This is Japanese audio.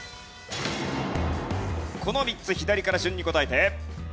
この３つ左から順に答えて。